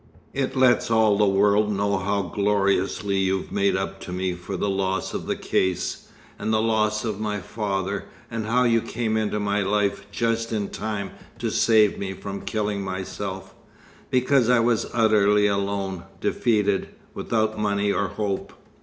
It lets all the world know how gloriously you've made up to me for the loss of the case, and the loss of my father; and how you came into my life just in time to save me from killing myself, because I was utterly alone, defeated, without money or hope."